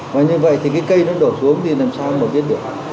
và như vậy thì cái cây nó đổ xuống thì làm sao mà biết được